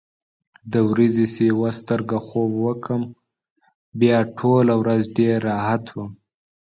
د ورځې چې یوه سترګه خوب وکړم، بیا ټوله ورځ ډېر راحت وم.